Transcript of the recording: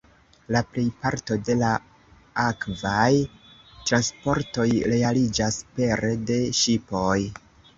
La plej parto de la akvaj transportoj realiĝas pere de ŝipoj.